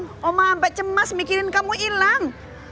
mama sampe cemas mikirin kamu hilang